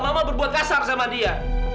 mama berbuat kasar sama dia